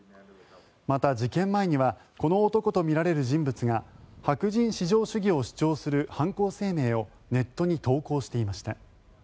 また、事件前にはこの男とみられる人物が白人至上主義を主張する犯行声明をネットに投稿していました。